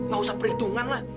gak usah perhitungan lah